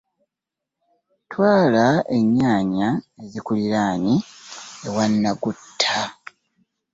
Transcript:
Twala ennyaanya ezikuliraanye ewa Naggutta.